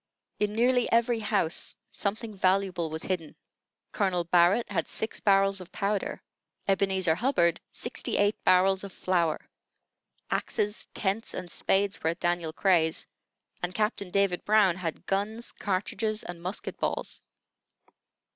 In nearly every house something valuable was hidden. Colonel Barrett had six barrels of powder; Ebenezer Hubbard, sixty eight barrels of flour; axes, tents, and spades were at Daniel Cray's; and Captain David Brown had guns, cartridges, and musket balls.